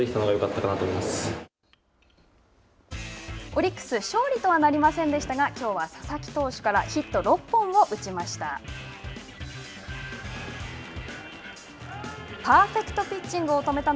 オリックス、勝利とはなりませんでしたがきょうは佐々木投手からヒット６本を打ちました。